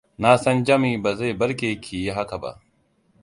Na san Jami ba zai barki ki yi haka ba.